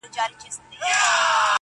کله کله به خبر دومره اوږده سوه-